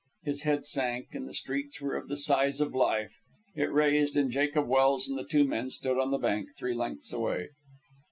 His head sank, and the streets were of the size of life; it raised, and Jacob Welse and the two men stood on the bank three lengths away.